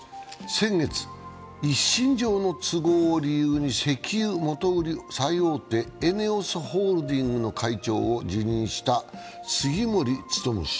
先月、一身上の都合を理由に石油元売り最大手、ＥＮＥＯＳホールディングスの会長を辞任した杉森務氏。